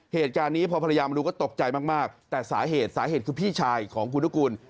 เหตุการณ์นี้พอภรรยามาดูก็ตกใจมากแต่สาเหตุสาเหตุคือพี่ชายของคุณนุกูล